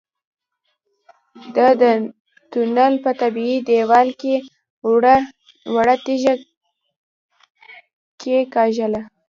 ده د تونل په طبيعي دېوال کې وړه تيږه کېکاږله.